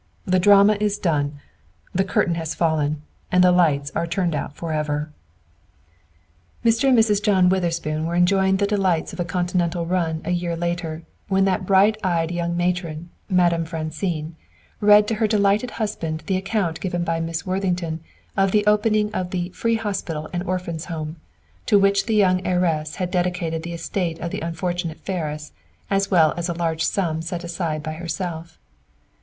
The drama is done, the curtain has fallen, and the lights are turned out forever!" Mr. and Mrs. John Witherspoon were enjoying the delights of a Continental run a year later, when that bright eyed young matron, Madame Francine, read to her delighted husband the account given by Miss Worthington of the opening of the "Free Hospital and Orphans' Home," to which the young heiress had dedicated the estate of the unfortunate Ferris, as well as a large sum set aside by herself.